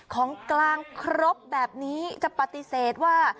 ของกลางครบแบบนี้จะปฏิเสธว่า